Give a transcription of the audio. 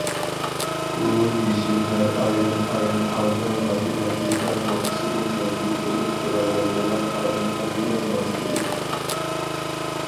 بۇ يېشىملەر ئايرىم- ئايرىم ھالدا ماتېماتىكا نۇقتىسىدىن مەۋجۇت بولۇپ تۇرالايدىغان ئالەملەرگە ماس كېلىدۇ.